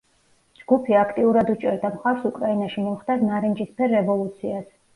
ჯგუფი აქტიურად უჭერდა მხარს უკრაინაში მომხდარ ნარინჯისფერ რევოლუციას.